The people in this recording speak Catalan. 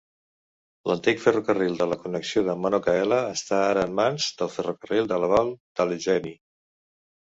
L'antic Ferrocarril de Connexió de Monongahela ara està en mans del Ferrocarril de la Vall d'Allegheny.